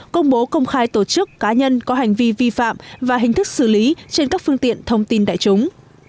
công bố công khai tổ chức cá nhân có hành vi vi phạm và hình thức xử lý trên các phương tiện thông tin đại chúng